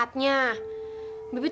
s gt sop saya jugasan